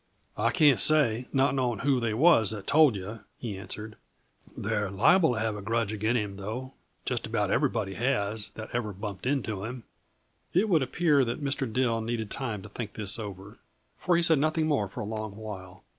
"I can't say, not knowing who they was that told yuh," he answered. "They're liable to have a grudge agin' him, though; just about everybody has, that ever bumped into him." It would appear that Mr. Dill needed time to think this over, for he said nothing more for a long while.